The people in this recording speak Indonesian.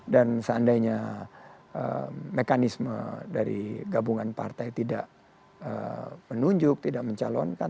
dan seandainya mekanisme dari gabungan partai tidak menunjuk tidak mencalonkan